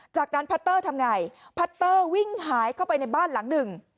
จากนั้นพัตเตอร์ทำไงพัตเตอร์วิ่งหายเข้าไปในบ้านหลังหนึ่ง